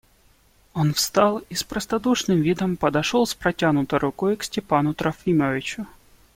Он встал и с простодушным видом подошел с протянутою рукой к Степану Трофимовичу.